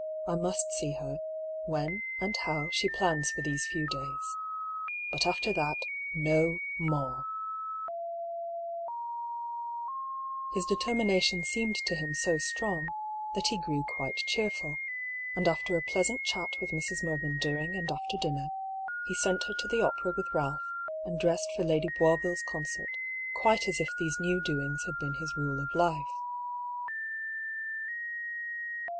I must see her, when and how she plans for these few days. But after that, no more,^^ His determination seemed to him so strong, that he grew quite cheerful, and after a pleasant chat with Mrs. Mervyn during and after dinner, he sent her to the opera with Ralph and dressed for Lady Boisville's concert quite as if these new doings had been his rule of life.